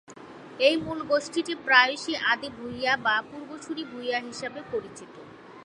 এই মূল গোষ্ঠীটি প্রায়শই আদি ভূঁইয়া বা পূর্বসূরি ভূঁইয়া হিসাবে পরিচিত।